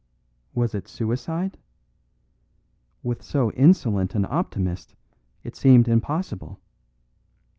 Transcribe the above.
Was it suicide? With so insolent an optimist it seemed impossible.